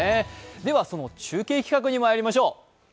では、その中継企画にまいりましょう。